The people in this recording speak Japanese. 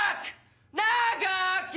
長き